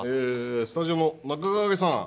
スタジオの中川家さん